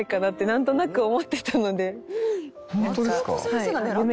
なんとなく思ってたので。